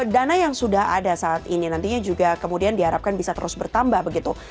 dana yang sudah ada saat ini nantinya juga kemudian diharapkan bisa terus bertambah begitu